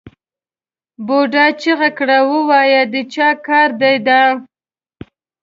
بوډا چیغه کړه ووایه د چا کار دی دا؟